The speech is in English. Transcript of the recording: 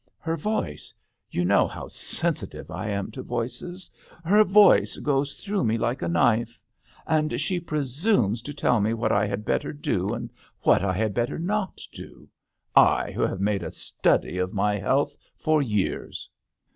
Her voice — ^you know how sensitive I am to voices — her voice goes through 24 THE HdTEL D'ANGLBTERRE. me like a knife; and she pre sumes to tell me what I had better do and what I had better not do — I, who have made a study of my health for years."